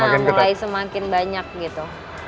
sudah mulai semakin banyak gitu